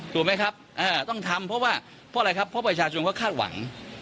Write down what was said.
ถูกไหมครับต้องทำเพราะว่าเพราะอะไรครับเพราะประชาชนเขาคาดหวัง